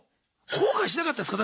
後悔しなかったですか？